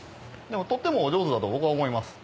とってもお上手だと僕は思います。